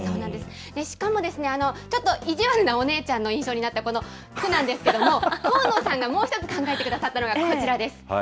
しかもですね、ちょっと意地悪なお姉ちゃんの印象になったこの句なんですけれども、神野さんがもう一つ考えてくださったのがこちらです。